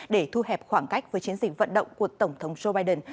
để thu hẹp khoảng cách với chiến dịch vận động của tổng thống joe biden